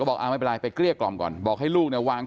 บอกไม่เป็นไรไปเกลี้ยกล่อมก่อนบอกให้ลูกเนี่ยวาง